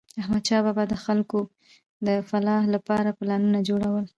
احمدشاه بابا به د خلکو د فلاح لپاره پلانونه جوړول.